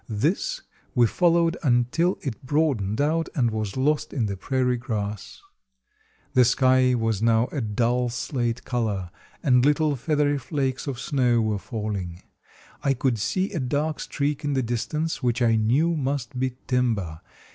This we followed until it broadened out and was lost in the prairie grass. The sky was now a dull slate color, and little feathery flakes of snow were falling. I could see a dark streak in the distance, which I knew must be timber.